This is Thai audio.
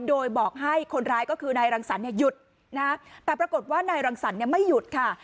โดยบอกให้คนร้ายก็คือนายรังสรรคเนี่ยหยุดนะแต่ปรากฏว่านายรังสรรคเนี่ยไม่หยุดค่ะ